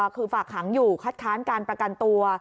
คือฝากขังอยู่คัดค้านการประกันตัว